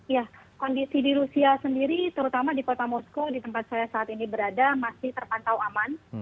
ya kondisi di rusia sendiri terutama di kota moskow di tempat saya saat ini berada masih terpantau aman